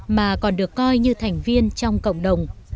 mà còn được coi như thành viên trong cộng đồng